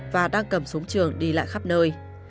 và đang cầm súng trường đi lại khắp nơi